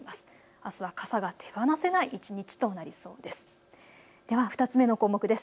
あすは傘が手放せない一日となりそうです。